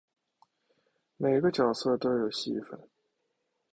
每个角色都有戏份